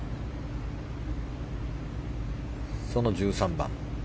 その１３番。